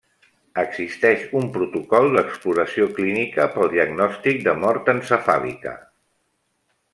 Existeix un protocol d’exploració clínica pel diagnòstic de mort encefàlica.